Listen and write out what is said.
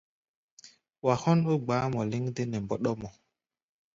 Wa hɔ́n ó gba̧á̧ mɔ lɛ́ŋ dé nɛ mbɔ́ɗɔ́mɔ.